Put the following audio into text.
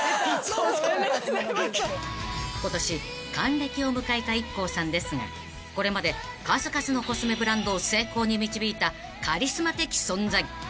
［今年還暦を迎えたＩＫＫＯさんですがこれまで数々のコスメブランドを成功に導いたカリスマ的存在］